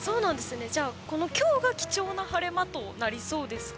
じゃあ、今日が貴重な晴れ間となりそうですか。